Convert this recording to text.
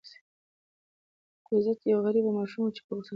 کوزت یوه غریبه ماشومه وه چې په سختۍ کې لویه شوه.